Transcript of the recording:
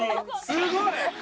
すごい！